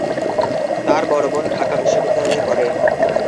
তার বড় বোন ঢাকা বিশ্ববিদ্যালয়ে পড়ে।